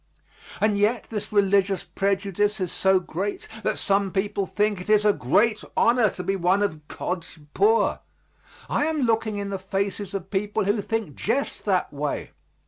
And yet this religious prejudice is so great that some people think it is a great honor to be one of God's poor. I am looking in the faces of people who think just that way.